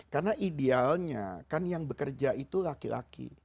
karena idealnya kan yang bekerja itu laki laki